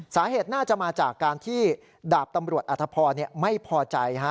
สาเหตุน่าจะมาจากการที่ดาบตำรวจอธพรไม่พอใจ